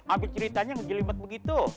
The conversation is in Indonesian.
ambil ceritanya ngejelimet begitu